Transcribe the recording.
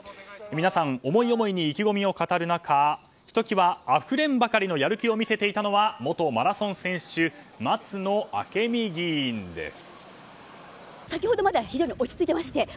皆さん、思い思いに意気込みを語る中ひときわあふれんばかりのやる気を見せていたのは元マラソン選手松野明美議員です。